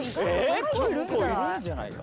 結構いるんじゃないか？